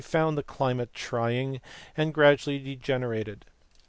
153 found the climate trying, and gradually degenerated.